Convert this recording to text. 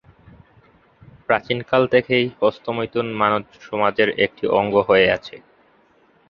প্রাচীনকাল থেকেই হস্তমৈথুন মানব সমাজের একটি অঙ্গ হয়ে আছে।